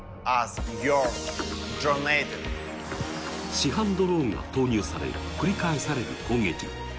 市販ドローンが投入され、繰り返される攻撃。